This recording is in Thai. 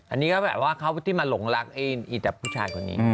อันนี้ก็แปลว่าเขาที่มาหลงลักอีกแต่ผู้ชายของนี้